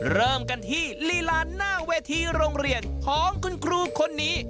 เริ่มกันที่ลีลาหน้าเวทีโรงเรียนของคุณครูคนนี้